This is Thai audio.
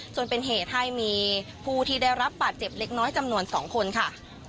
จนเป็นเหตุให้มีผู้ที่ได้รับบาดเจ็บเล็กน้อยจำนวน๒คนค่ะ